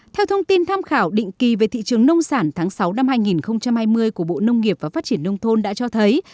theo thông tin tham khảo định kỳ về thị trường nông sản tháng sáu năm hai nghìn hai mươi của bộ nông nghiệp và phát triển nông thôn đã cho thấy